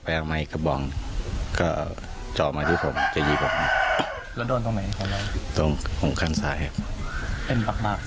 เป็นปากปากเสี่ยวไปใช่ไหม